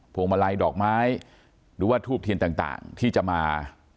วงมาลัยดอกไม้หรือว่าทูบเทียนต่างที่จะมา